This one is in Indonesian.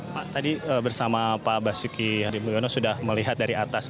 pak tadi bersama pak basuki hadi mulyono sudah melihat dari atas